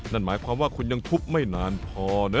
นั่นหมายความว่าคุณยังทุบไม่นานพอนะ